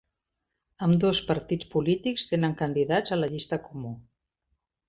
Ambdós partits polítics tenen candidats a la llista comú.